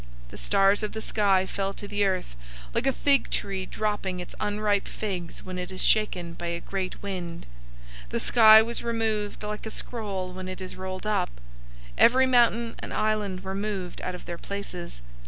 006:013 The stars of the sky fell to the earth, like a fig tree dropping its unripe figs when it is shaken by a great wind. 006:014 The sky was removed like a scroll when it is rolled up. Every mountain and island were moved out of their places.